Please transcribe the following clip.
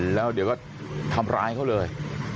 แล้วเดี๋ยวก็ทำร้ายเขาเลย